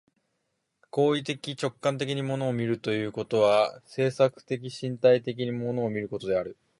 行為的直観的に物を見るということは、制作的身体的に物を見ることである。